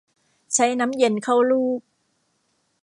ใช้น้ำเย็นเข้าลูบ